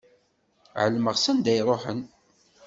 Ɛelmeɣ s anda i iruḥen.